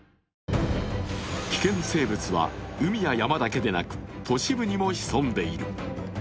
危険生物は海や山だけでなく都市部にも潜んでいる。